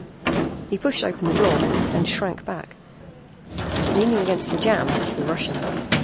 He pushed open the door, then shrank back. Leaning against the jamb was the Russian.